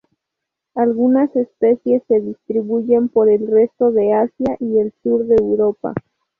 Algunas especies se distribuyen por el resto de Asia y el sur de Europa.